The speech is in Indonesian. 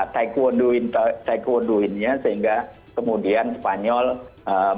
taekwondo in taekwondo innya sehingga kemudian spanyol ee